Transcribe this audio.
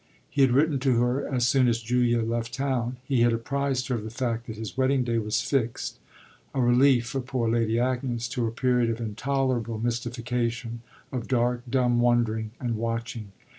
He had written to her as soon as Julia left town he had apprised her of the fact that his wedding day was fixed: a relief for poor Lady Agnes to a period of intolerable mystification, of dark, dumb wondering and watching.